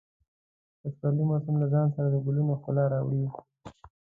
د پسرلي موسم له ځان سره د ګلونو ښکلا راوړي.